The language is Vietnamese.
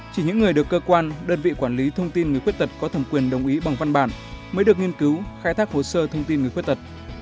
chỉ những người được cơ quan đơn vị quản lý thông tin người khuyết tật có thẩm quyền đồng ý bằng văn bản mới được nghiên cứu khai thác hồ sơ thông tin người khuyết tật